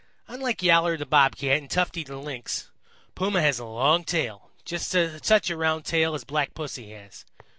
Unlike Yowler the Bob Cat and Tufty the Lynx, Puma has a long tail just such a round tail as Black Pussy has.